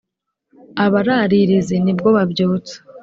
Abararirizi ni bwo babyutse,